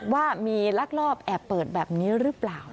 ว่ามีลักลอบแอบเปิดแบบนี้หรือเปล่า